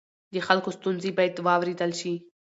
د خلکو ستونزې باید واورېدل شي.